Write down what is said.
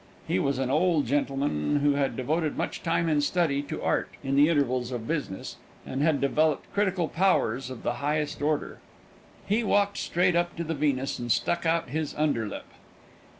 He was an old gentleman who had devoted much time and study to Art, in the intervals of business, and had developed critical powers of the highest order. He walked straight up to the Venus, and stuck out his under lip.